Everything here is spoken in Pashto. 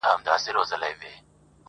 • راته یاده مي کیسه د مولوي سي -